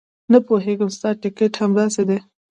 نه پوهېږم ستا ټیکټ همداسې دی.